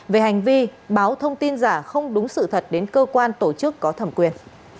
về hành vi báo thông tin giả không đúng sự thật đến cơ quan tổ chức có thẩm quyền